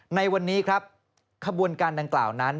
ในวันนี้ครับขบวนการดังกล่าวนั้น